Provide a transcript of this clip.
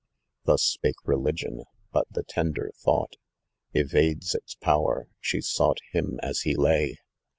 Thus spake Religion, but the tender thought Evades its power, she sought him as he lay.